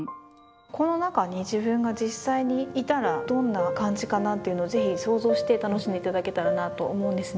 この中に自分が実際にいたらどんな感じかなっていうのをぜひ想像して楽しんで頂けたらなと思うんですね。